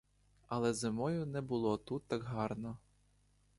Але зимою не було тут так гарно.